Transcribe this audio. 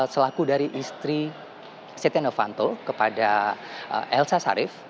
selaku dari istri seteh novanto kepada elsa syarif